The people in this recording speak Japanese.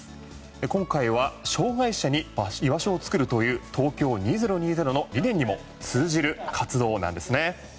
今回は障害者に居場所を作るという東京２０２０の理念にも通じる活動なんですね。